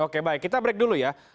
oke baik kita break dulu ya